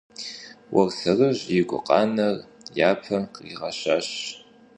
Уэрсэрыжь и гукъанэр япэ къригъэщащ.